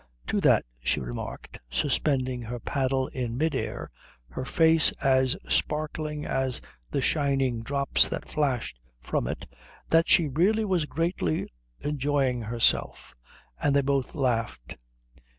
To that she remarked, suspending her paddle in mid air, her face as sparkling as the shining drops that flashed from it, that she really was greatly enjoying herself; and they both laughed.